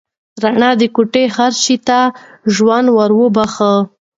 رڼا د کوټې هر شی ته ژوند ور وباښه.